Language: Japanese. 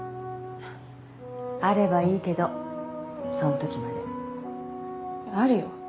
あればいいけどそんときまであるよ